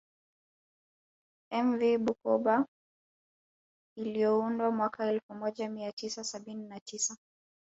Mv Bukoba iliyoundwa mwaka elfu moja mia tisa sabini na tisa